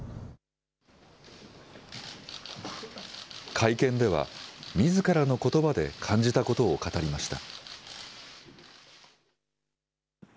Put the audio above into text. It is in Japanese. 会見では、みずからのことばで感じたことを語りました。